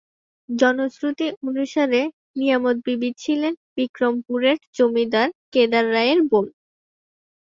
জনশ্রুতি অনুসারে নিয়ামত বিবি ছিলেন বিক্রমপুরের জমিদার কেদার রায়ের বোন।